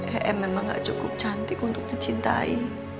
em memang gak cukup cantik untuk dicintai